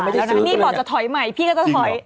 แล้วครับนี่บอกจะถอยใหม่พี่ก็จะถอย